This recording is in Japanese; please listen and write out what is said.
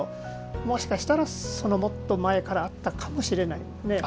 もしかしたら、そのもっと前からあったかもしれない。